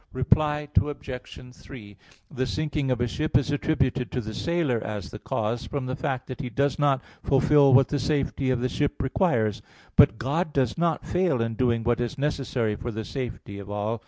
Reply Obj. 3: The sinking of a ship is attributed to the sailor as the cause, from the fact that he does not fulfil what the safety of the ship requires; but God does not fail in doing what is necessary for the safety of all.